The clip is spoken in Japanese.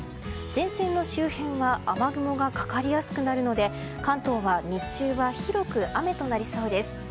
前線の周辺は雨雲がかかりやすくなるので関東は日中は広く雨となりそうです。